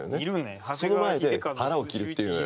その前で腹を切るって言うのよ。